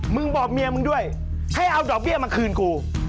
มึงบอกเมียมึงด้วยให้เอาดอกเบี้ยมาคืนกู